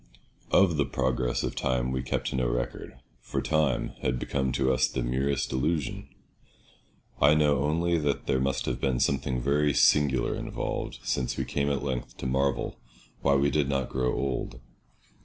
Of the progress of time we kept no record, for time had become to us the merest illusion. I know only that there must have been something very singular involved, since we came at length to marvel why we did not grow old.